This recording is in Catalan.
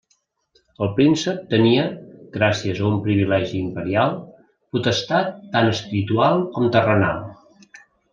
El príncep tenia, gràcies a un privilegi imperial, potestat tant espiritual com terrenal.